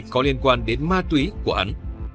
có liên quan đến ma túy của hắn